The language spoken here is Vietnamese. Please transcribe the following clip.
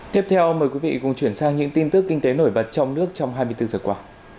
tiếp theo mời quý vị cùng chuyển sang những tin tức kinh tế nổi bật trong nước trong hai mươi bốn giờ qua